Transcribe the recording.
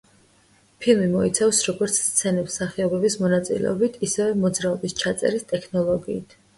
ფილმი მოიცავს როგორც სცენებს მსახიობების მონაწილეობით, ისევე მოძრაობის ჩაწერის ტექნოლოგიით.